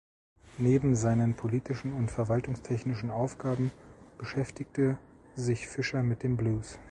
Neben seinen politischen und verwaltungstechnischen Aufgaben beschäftigte sich Fischer mit dem Blues.